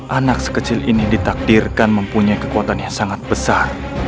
anak sekecil ini ditakdirkan mempunyai kekuatan yang sangat besar